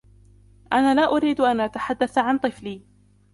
أنا لا أريد أن أتحدث عن طفلي.